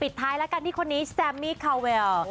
ท้ายแล้วกันที่คนนี้แซมมี่คาเวล